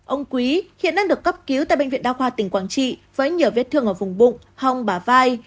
ông quý hiện đang được cấp cứu tại bệnh viện đa khoa tỉnh quảng trị với nhiều vết thương ở vùng bụng hong bà vai